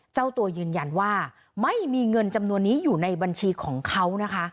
เจ้าตัวยืนยันว่าไม่มีเงินจำนวนนี้อยู่ในบัญชีของเขานะคะ